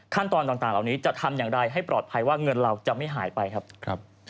ตอนต่างเหล่านี้จะทำอย่างไรให้ปลอดภัยว่าเงินเราจะไม่หายไปครับ